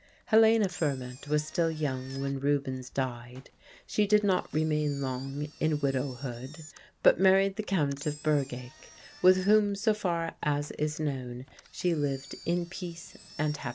Helena Fourment was still young when Rubens died. She did not remain long in widowhood; but married the Count of Bergeyck, with whom, so far as is known, she lived in peace and happiness.